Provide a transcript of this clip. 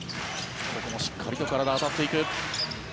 ここもしっかりと体、当たっていく。